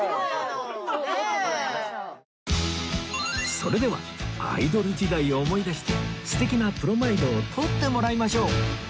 それではアイドル時代を思い出して素敵なプロマイドを撮ってもらいましょう